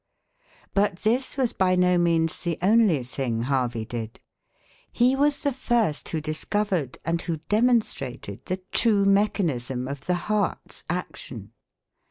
But this was by no means the only thing Harvey did. He was the first who discovered and who demonstrated the true mechanism of the heart's action.